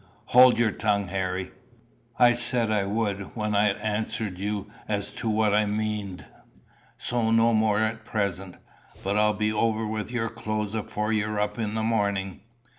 "Hold your tongue, Harry." "I said I would when I'd answered you as to what I meaned. So no more at present; but I'll be over with your clothes afore you're up in the morning."